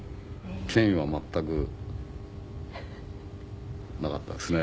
権威は全くなかったですね。